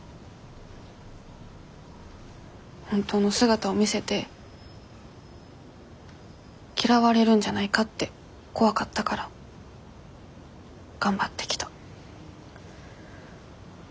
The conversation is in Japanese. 本当の姿を見せて嫌われるんじゃないかって怖かったから頑張ってきた。